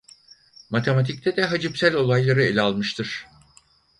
Matematikte de hacimsel olayları ele almıştır.